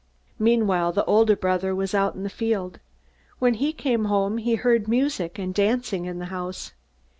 "Meanwhile, the older brother was out in the field. When he came home, he heard music and dancing in the house.